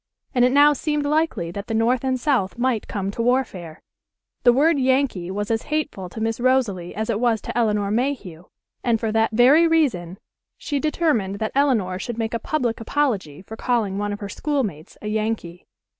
And it now seemed likely that the North and South might come to warfare. The word "Yankee" was as hateful to Miss Rosalie as it was to Elinor Mayhew, and for that very reason she determined that Elinor should make a public apology for calling one of her schoolmates a "Yankee."